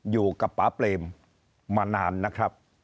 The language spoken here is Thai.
อยู่กับป่าเปรมมานานนะครับ